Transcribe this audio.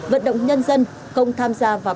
vận động nhân dân không tham gia vào